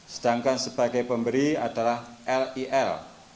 sedangkan sebagai pemberi adalah lil